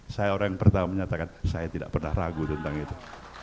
saya orang yang pertama menyatakan saya tidak pernah ragu tentang itu